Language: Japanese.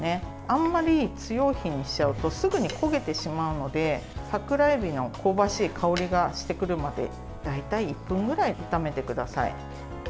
あんまり強い火にしちゃうとすぐに焦げてしまうので桜えびの香ばしい香りがしてくるまで大体１分ぐらい炒めてください。